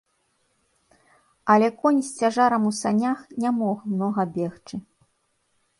Але конь з цяжарам у санях не мог многа бегчы.